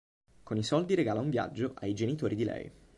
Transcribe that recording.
Con i soldi regala un viaggio ai genitori di lei.